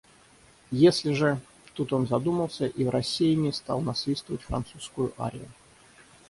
Если же…» Тут он задумался и в рассеянии стал насвистывать французскую арию.